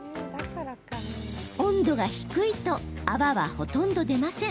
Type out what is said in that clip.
温度が低いと泡は、ほとんど出ません。